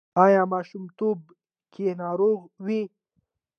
ایا ماشومتوب کې ناروغه وئ؟